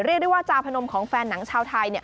เรียกได้ว่าจาพนมของแฟนหนังชาวไทย